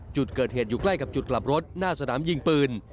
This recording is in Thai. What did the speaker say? จุดเกิดเหตุอยู่ใกล้กับจุดกลับรถหน้าสนามยิงปืน